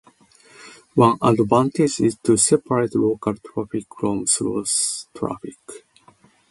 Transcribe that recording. One advantage is to separate local traffic from through traffic.